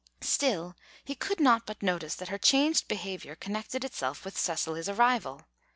Still, he could not but notice that her changed behaviour connected itself with Cecily's arrival.